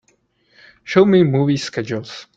Show me movie schedules